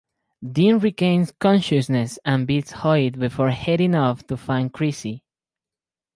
Dean regains consciousness and beats Hoyt before heading off to find Chrissie.